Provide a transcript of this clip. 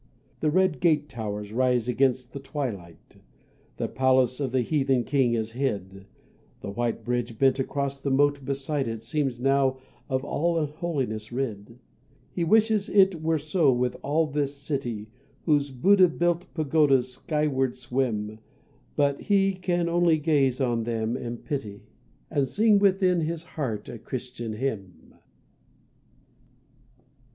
The red gate towers rise against the twilight, The palace of the heathen king is hid, The white bridge bent across the moat beside it Seems now of all unholinesses rid. He wishes it were so with all this city Whose Buddha built pagodas skyward swim; But he can only gaze on them and pity And sing within his heart a Christian hymn.